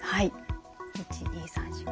１２３４５。